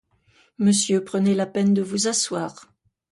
Monsieur, prenez la peine de vous asseoir.